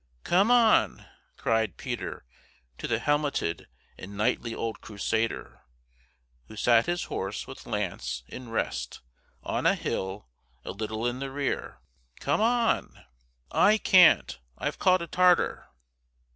"Come on!" cried Peter to the helmeted and knightly old Crusader, who sat his horse with lance in rest on a hill a little in the rear. "Come on!" "I can't! I've caught a Tartar."